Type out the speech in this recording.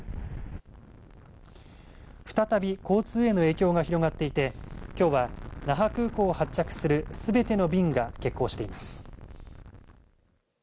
再び交通への影響が広がっていてきょうは那覇空港を発着するすべての便が欠航しています。